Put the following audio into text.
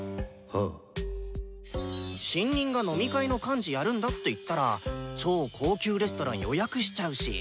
新任が飲み会の幹事やるんだって言ったら超高級レストラン予約しちゃうし。